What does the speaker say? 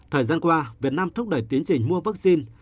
thời gian qua việt nam thúc đẩy tiến trình mua vắc xin